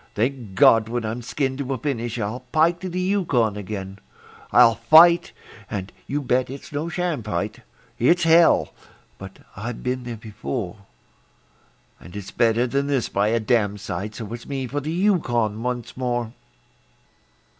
Thank God! when I'm skinned to a finish I'll pike to the Yukon again. I'll fight and you bet it's no sham fight; It's hell! but I've been there before; And it's better than this by a damsite So me for the Yukon once more.